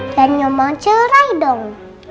dan nyomong cerai dong